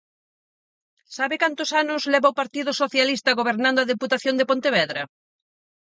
¿Sabe cantos anos leva o Partido Socialista gobernando a Deputación de Pontevedra?